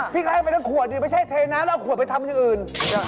พี่ก็ให้ไปทั้งขวดดิไม่ใช่เทน้ำแล้วเอาขวดไปทำอย่างอื่น